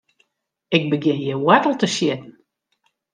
Ik begjin hjir woartel te sjitten.